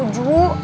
masa depan ma tuh